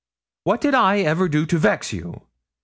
What did I ever do to vex you?